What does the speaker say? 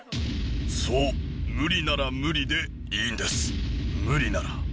そう無理なら無理でいいんです。